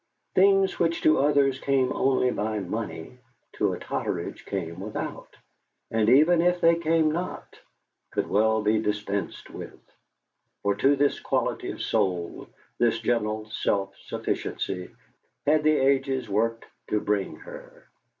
Things which to others came only by money, to a Totteridge came without, and even if they came not, could well be dispensed with for to this quality of soul, this gentle self sufficiency, had the ages worked to bring her.